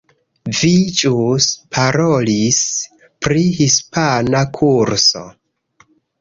Vi ĵus parolis pri hispana kurso.